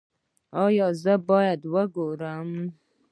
ایا زه باید وګورم؟